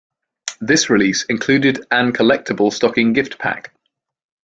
This release included an collectible stocking gift pack.